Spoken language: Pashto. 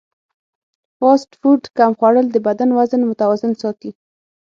فاسټ فوډ کم خوړل د بدن وزن متوازن ساتي.